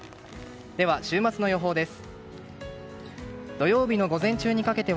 では、週末の予報です。